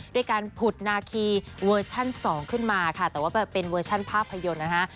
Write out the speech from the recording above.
ด้วยการผุดนาคีเวอร์ชั่น๒ขึ้นมาค่ะแต่ว่าเป็นเวอร์ชันภาพยนตร์นะคะ